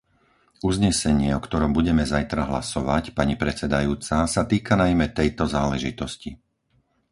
Uznesenie, o ktorom budeme zajtra hlasovať, pani predsedajúca, sa týka najmä tejto záležitosti.